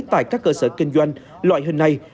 tại các cơ sở kinh doanh loại hình này